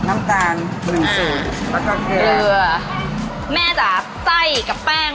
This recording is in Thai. แม่จะใศกับแป้ง